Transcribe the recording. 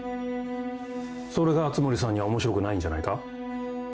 それが熱護さんには面白くないんじゃないか？